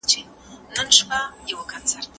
دولت غواړي اقتصاد پیاوړی کړي.